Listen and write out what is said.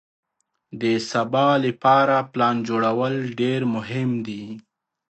د سبا لپاره پلان جوړول ډېر مهم دي.